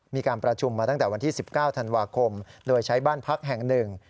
มีการประชุมมาตั้งแต่วันที่๑๙ธันวาคมโดยใช้บ้านพักแห่งหนึ่ง